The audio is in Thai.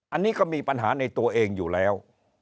อันนี้ก็มีปัญหาในตัวเองอยู่แล้ว